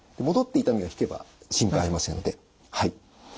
戻って痛みが引けば心配ありませんのではい。